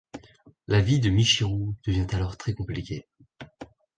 La vie de Michiru devient alors très compliquée.